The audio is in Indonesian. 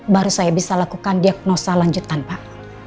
baru saya bisa lakukan diagnosa lanjutan pak